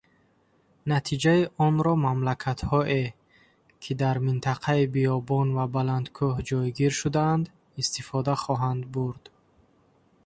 Натиҷаи онро мамлакатҳое, ки дар минтақаи биёбон ва баландкӯҳ ҷойгир шудаанд, истифода хоҳанд бурд.